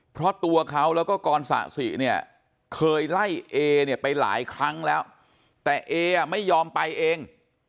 เพราะตัวเขาแล้วก็กรสะสิเนี่ยเคยไล่เอเนี่ยไปหลายครั้งแล้วแต่เออ่ะไม่ยอมไปเอง